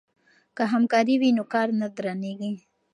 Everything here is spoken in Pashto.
که همکاري وي نو کار نه درنیږي.